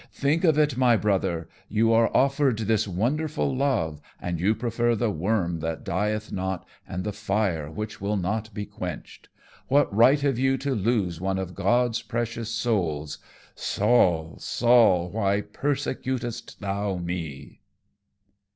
Think of it, my brother; you are offered this wonderful love and you prefer the worm that dieth not and the fire which will not be quenched. What right have you to lose one of God's precious souls? _Saul, Saul, why persecutest thou me?